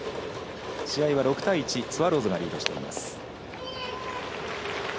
試合は６対１、スワローズがリードしています。